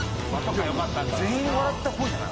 全員笑った方じゃない？